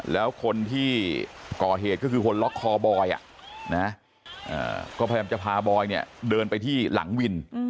แล้วคนที่ก่อเหตุก็คือคนล็อกคอบอยก็พยายามจะพาบอยเนี่ยเดินไปที่หลังวิน